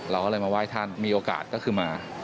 เราก็เลยมาไหว้ท่านมีโอกาสก็คือมา